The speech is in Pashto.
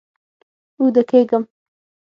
اوده کیږم